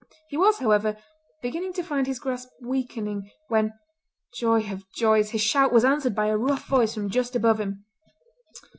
He was, however, beginning to find his grasp weakening, when, joy of joys! his shout was answered by a rough voice from just above him.